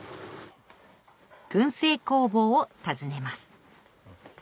燻製工房を訪ねます